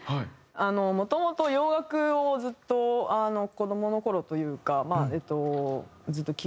もともと洋楽をずっと子どもの頃というかまあえっとずっと聴いてて。